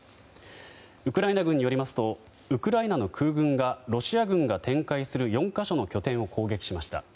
ウクライナ軍によりますとウクライナの空軍がロシア軍が展開する４か所の拠点を攻撃しました。